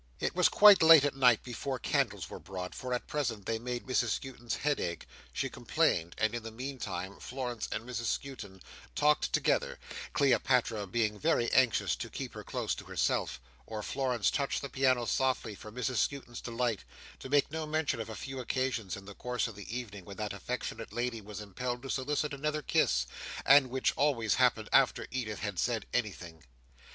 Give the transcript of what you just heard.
It was quite late at night before candles were brought; for at present they made Mrs Skewton's head ache, she complained; and in the meantime Florence and Mrs Skewton talked together (Cleopatra being very anxious to keep her close to herself), or Florence touched the piano softly for Mrs Skewton's delight; to make no mention of a few occasions in the course of the evening, when that affectionate lady was impelled to solicit another kiss, and which always happened after Edith had said anything.